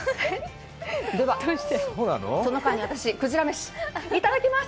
では、その間に私、くじらメシ、いただきます。